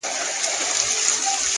ليونى نه يم ليونى به سمه ستا له لاسه.!